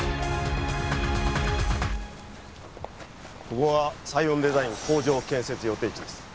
ここがサイオンデザイン工場建設予定地です。